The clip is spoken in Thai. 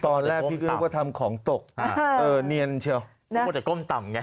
ตอนแรกพี่คุณก็ทำของตกเออเนียนเชียวก็แต่ก้มต่ำไง